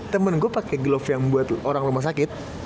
temen gue pakai glove yang buat orang rumah sakit